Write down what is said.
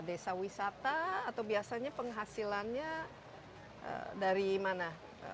desa wisata atau biasanya penghasilannya dari mana